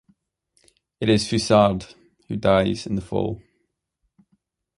It is Foussard, who dies in the fall.